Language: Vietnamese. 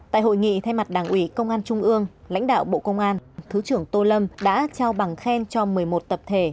tại hội nghị thay mặt đảng ủy công an trung ương lãnh đạo bộ công an thứ trưởng tô lâm đã trao bằng khen cho một mươi một tập thể